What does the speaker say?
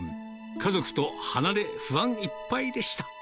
家族と離れ、不安いっぱいでした。